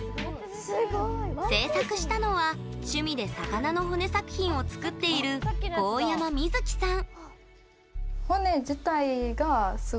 制作したのは趣味で魚の骨作品を作っている香山瑞希さん。